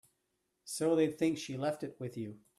So they think she left it with you.